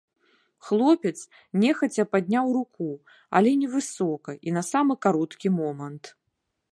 Хлопец нехаця падняў руку, але невысока і на самы кароткі момант.